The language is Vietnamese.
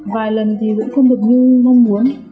vài lần thì vẫn không được như mong muốn